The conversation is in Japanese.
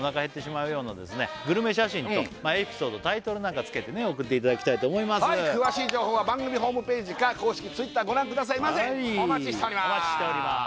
このようにエピソードタイトルなんかつけてね送っていただきたいと思います詳しい情報は番組ホームページか公式Ｔｗｉｔｔｅｒご覧くださいませお待ちしております